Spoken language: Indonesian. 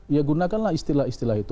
ya gunakanlah istilah istilah itu